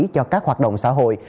cho các hoạt động xã hội